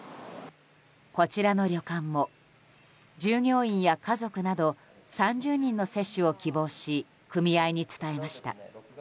こちらの旅館も従業員や家族など３０人の接種を希望し組合に伝えました。